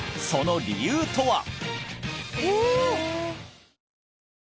その理由とは？